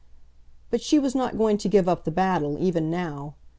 But she was not going to give up the battle, even now.